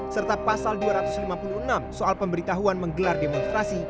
serta pasal dua ratus lima puluh enam soal pemberitahuan menggelar demonstrasi